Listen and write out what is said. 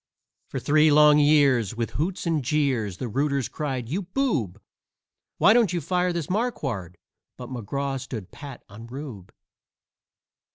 For three long years, with hoots and jeers, the rooters cried: "You boob! Why don't you fire this Marquard?" But McGraw stood pat on "Rube."